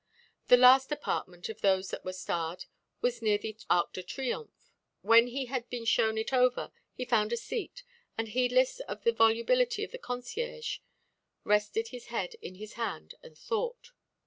The last apartment of those that were starred was near the Arc de Triomphe. When he had been shown it over he found a seat, and heedless of the volubility of the concierge, rested his head in his hand and thought.